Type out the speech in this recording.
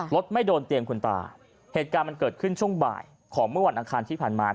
รถไม่โดนเตียงคุณตาเหตุการณ์มันเกิดขึ้นช่วงบ่ายของเมื่อวันอังคารที่ผ่านมา